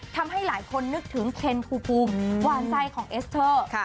ทำให้หลายคนนึกถึงเคนภูมิหวานใจของเอสเตอร์